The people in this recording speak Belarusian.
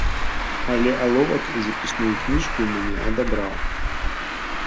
Але аловак і запісную кніжку ў мяне адабраў.